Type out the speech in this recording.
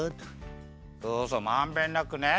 そうそうまんべんなくね。